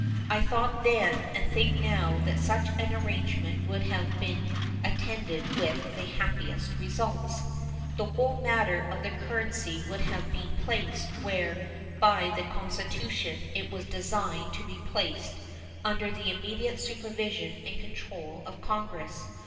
I thought then and think now that such an arrangement would have been attended with the happiest results. The whole matter of the currency would have been placed where by the Constitution it was designed to be placed under the immediate supervision and control of Congress.